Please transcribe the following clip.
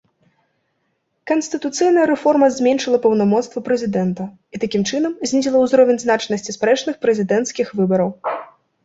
Канстытуцыйная рэформа зменшыла паўнамоцтвы прэзідэнта, і, такім чынам, знізіла ўзровень значнасці спрэчных прэзідэнцкіх выбараў.